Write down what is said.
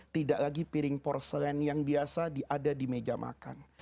tidak lagi piring porselen yang biasa diada di meja makan